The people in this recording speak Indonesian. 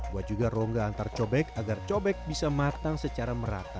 buat juga rongga antar cobek agar cobek bisa matang secara merata